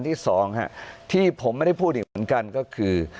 ที่สองที่ผมไม่ได้พูดอีกเหมือนกันก็คือ